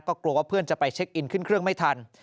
ก็กลัวว่าเพื่อนจะไปเช็คอินขึ้นเครื่องไม่ทัน